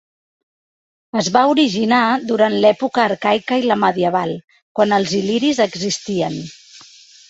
Es va originar durant l'època arcaica i la medieval, quan els il·liris existien.